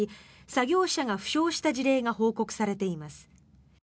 作業者が負傷した事例が報告されています。